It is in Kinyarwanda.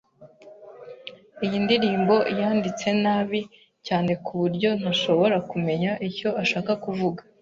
Iyi ndirimbo yanditse nabi cyane kuburyo ntashobora kumenya icyo ashaka kuvuga.